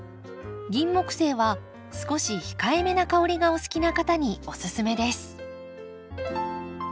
ギンモクセイは少し控えめな香りがお好きな方におすすめです。